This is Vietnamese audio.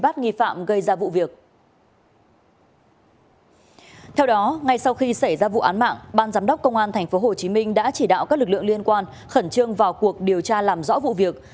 trong vụ án mạng ban giám đốc công an tp hcm đã chỉ đạo các lực lượng liên quan khẩn trương vào cuộc điều tra làm rõ vụ việc